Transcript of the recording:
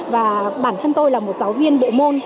và bản thân tôi là một giáo viên bộ môn